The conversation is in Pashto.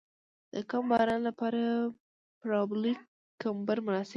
د کم باران لپاره پارابولیک کمبر مناسب دی